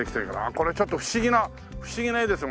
これちょっと不思議な不思議な絵ですね。